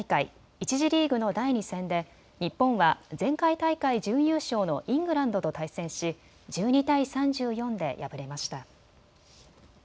１次リーグの第２戦で日本は前回大会準優勝のイングランドと対戦し１２対３４で敗れました。